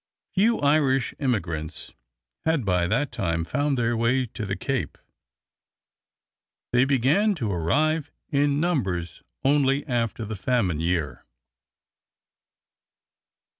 Few Irish immigrants had by that time found their way to the Cape. They began to arrive in numbers only after the famine year.